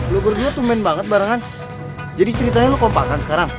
lo berdua tumen banget barengan jadi ceritanya lo kompakan sekarang